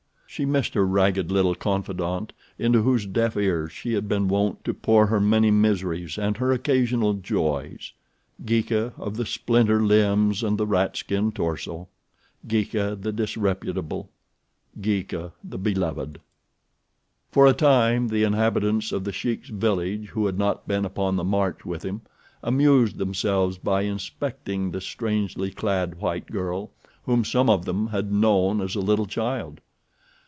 She missed her ragged little confidante, into whose deaf ears she had been wont to pour her many miseries and her occasional joys—Geeka, of the splinter limbs and the ratskin torso—Geeka the disreputable—Geeka the beloved. For a time the inhabitants of The Sheik's village who had not been upon the march with him amused themselves by inspecting the strangely clad white girl, whom some of them had known as a little child.